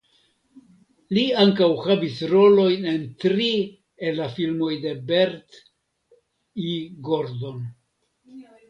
Li ankaŭ havis rolojn en tri el la filmoj de Bert I. Gordon.